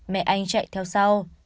mẹ anh chạy theo sau